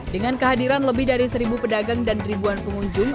dengan kehadiran lebih dari seribu pedagang dan ribuan pengunjung